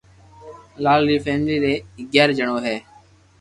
لال ري فيملي مي اگياري جڻو ھي